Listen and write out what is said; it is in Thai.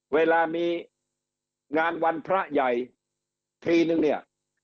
เวลามีงานวันพระใหญ่ทีนึงเนี่ย